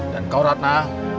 dan kau ratna